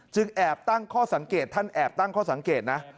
แอบตั้งข้อสังเกตท่านแอบตั้งข้อสังเกตนะ